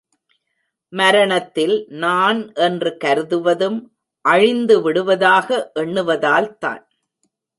மரணத்தில் நான் என்று கருதுவதும் அழிந்து விடுவதாக எண்ணுவதால்தான்.